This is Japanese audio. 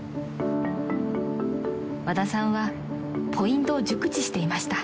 ［和田さんはポイントを熟知していました］